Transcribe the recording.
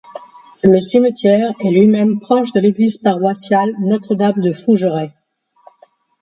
Le cimetière est lui-même proche de l'église paroissiale Notre-Dame-de-Fougeray.